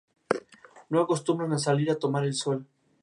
No acostumbran a salir a tomar el sol.